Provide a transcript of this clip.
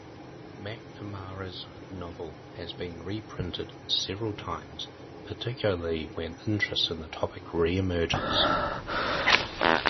MacNamara's novel has been reprinted several times, particularly when interest in the topic re-emerges.